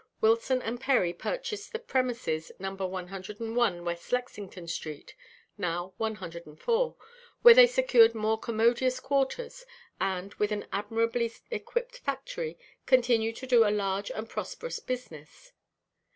Wilson & Perry purchased the premises No. 101 West Lexington street, now 104, where they secured more commodious quarters, and, with an admirably equipped factory, continued to do a large and prosperous business.